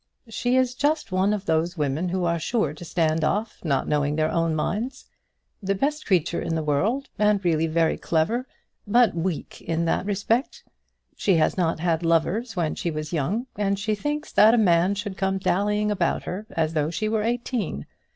"She is just one of those women who are sure to stand off, not knowing their own minds. The best creature in the world, and really very clever, but weak in that respect! She has not had lovers when she was young, and she thinks that a man should come dallying about her as though she were eighteen.